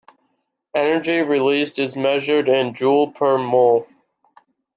Energy released is measured in Joule per mole.